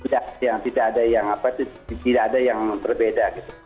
tidak ada yang apa itu tidak ada yang berbeda gitu